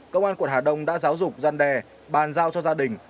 công an quận hà đông đã giáo dục gian đe bàn giao cho gia đình